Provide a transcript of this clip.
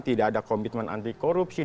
tidak ada komitmen anti korupsi